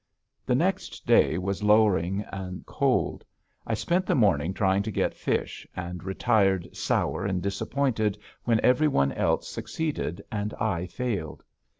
The next day was lowering and cold. I spent the morning trying to get fish, and retired sour and disappointed when every one else succeeded and I failed.